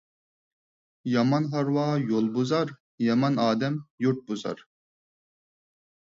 يامان ھارۋا يول بۇزار، يامان ئادەم يۇرت بۇزار.